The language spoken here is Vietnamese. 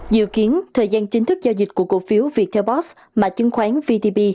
dự kiến thời gian chính thức giao dịch của cổ phiếu viettelbos mà chứng khoán vtb